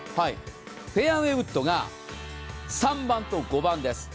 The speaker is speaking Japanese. フェアウェイウッドが３番と５番です。